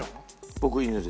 僕犬です。